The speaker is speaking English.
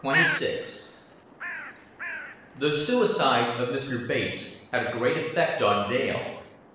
XXVI The suicide of Mr. Bates had a great effect on Dale.